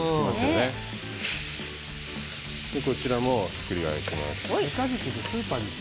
もう１つもひっくり返します。